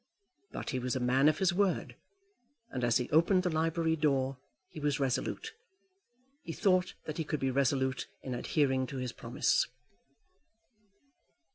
But he was a man of his word, and as he opened the library door he was resolute, he thought that he could be resolute in adhering to his promise.